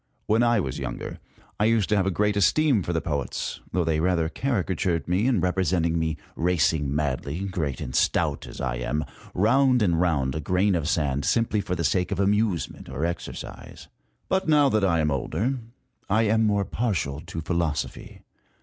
When I was younger I used to have a great esteem for the poets, though they rather caricatured me in representing me racing madly, great and stout as I am, round and round a grain of sand, simply for the sake of amusement or exercise. But now that I am older, I am more partial to philosophy.